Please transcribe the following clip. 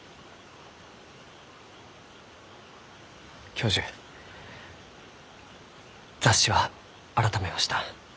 教授雑誌は改めました。